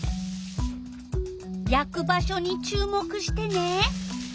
やく場所に注目してね！